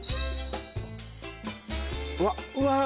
うわっうわあ